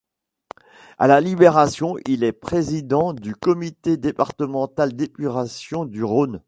À la Libération, il est président du comité départemental d'épuration du Rhône.